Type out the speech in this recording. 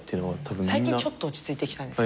最近ちょっと落ち着いてきたんです。